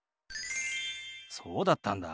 そうだったんだ。